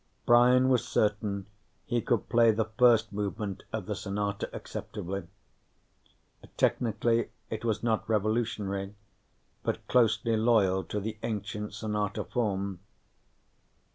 Brian was certain he could play the first movement of the sonata acceptably. Technically, it was not revolutionary, but closely loyal to the ancient sonata form.